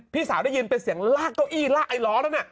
พี่สาวได้ยินเป็นเสียงลากเก้าอี้ลากไอ้ล้อแล้วเนี่ย